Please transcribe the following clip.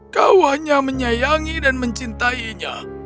kau hanya menyayangi dan mencintainya